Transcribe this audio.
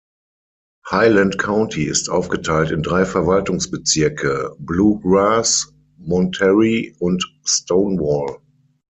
Highland County ist aufgeteilt in drei Verwaltungsbezirke: Blue Grass, Monterey und Stonewall.